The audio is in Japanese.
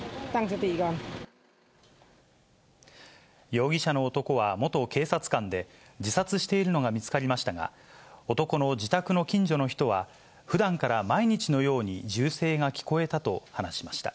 容疑者の男は元警察官で、自殺しているのが見つかりましたが、男の自宅の近所の人は、ふだんから毎日のように銃声が聞こえたと話しました。